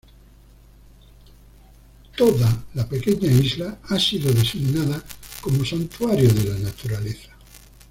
Toda la pequeña isla ha sido designada como santuario de la naturaleza.